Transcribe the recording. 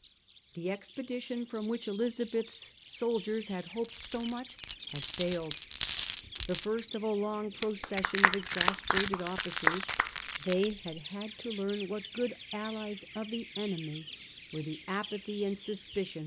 ^ The expedition from which Elizabeth's soldiers had hoped so much had failed. The first of a long procession of exasperated officers, they had had to learn what good allies of the enemy were the apathy and suspicion of ^ Drake's answer to the charges, S» P, D.